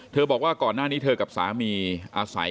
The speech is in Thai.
บอกว่าก่อนหน้านี้เธอกับสามีอาศัย